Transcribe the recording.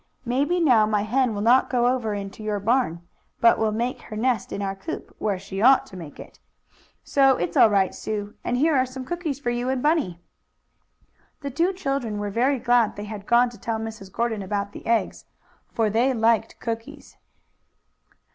"Maybe now my hen will not go over into your barn, but will make her nest in our coop, where she ought to make it. So it's all right, Sue, and here are some cookies for you and Bunny." The two children were very glad they had gone to tell Mrs. Gordon about the eggs, for they liked cookies.